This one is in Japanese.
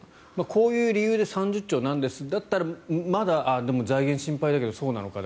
こういう理由で３０兆なんですだったら、まだ財源心配なのかそうなのか、